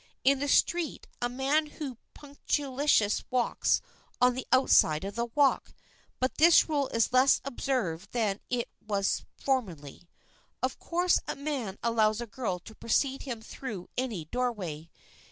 In the street a man who is punctilious walks on the outside of the walk, but this rule is less observed than it was formerly. Of course, a man allows a girl to precede him through any doorway.